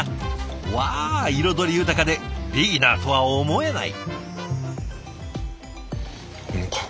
うわ彩り豊かでビギナーとは思えない！